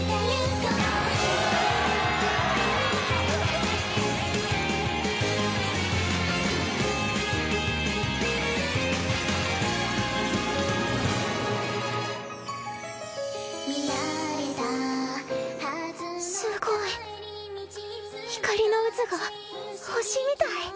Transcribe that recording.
さくら：すごい光の渦が星みたい。